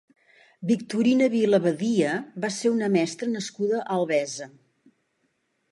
Victorina Vila Badia va ser una mestra nascuda a Albesa.